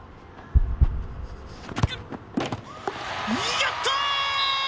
やった！